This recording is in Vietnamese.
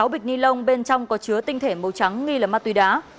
năm mươi sáu bịch ni lông bên trong có chứa tinh thể màu trắng nghi là ma túy đá